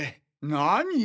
なに！？